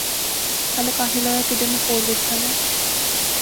خالق آخنے لاغا کیدے میں پوڑں کچھاں تے؟